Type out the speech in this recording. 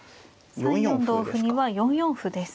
３四同歩には４四歩です。